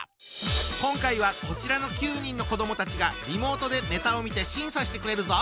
今回はこちらの９人の子どもたちがリモートでネタを見て審査してくれるぞ！